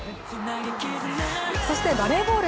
そしてバレーボール。